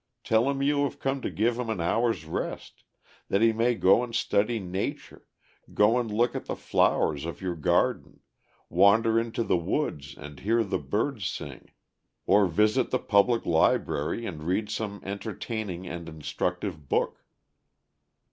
Tell him you have come to give him an hour's rest, that he may go and study nature, go and look at the flowers of your garden, wander into the woods and hear the birds sing, or visit the public library and read some entertaining and instructive book.